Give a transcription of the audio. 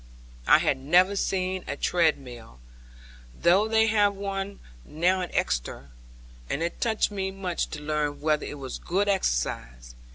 I had never seen a treadmill (though they have one now at Exeter), and it touched me much to learn whether it were good exercise.